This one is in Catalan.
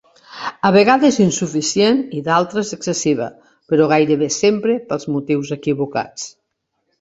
A vegades insuficient i d'altres, excessiva, però gairebé sempre pels motius equivocats.